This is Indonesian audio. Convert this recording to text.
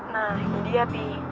nah gini ya pi